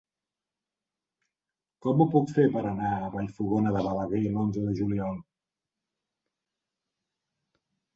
Com ho puc fer per anar a Vallfogona de Balaguer l'onze de juliol?